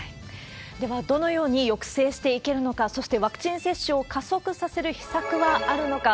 では、どのように抑制していけるのか、そして、ワクチン接種を加速させる秘策はあるのか。